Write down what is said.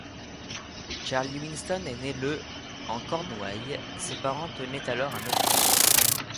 Charlie Winston est né le en Cornouailles, ses parents tenaient alors un hôtel.